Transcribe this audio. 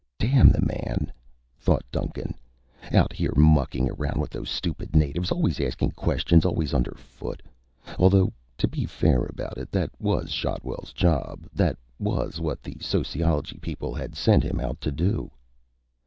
Damn the man, thought Duncan. Out here mucking around with those stupid natives, always asking questions, always under foot. Although, to be fair about it, that was Shotwell's job. That was what the Sociology people had sent him out to do.